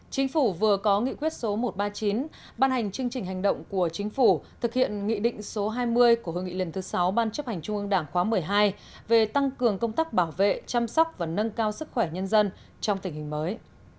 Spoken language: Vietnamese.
chính phủ vừa có nghị quyết số một trăm ba mươi chín ban hành chương trình hành động của chính phủ thực hiện nghị định số hai mươi của hội nghị lần thứ sáu ban chấp hành trung ương đảng khóa một mươi hai về tăng cường công tác bảo vệ chăm sóc và nâng cao sức khỏe nhân dân trong tình hình mới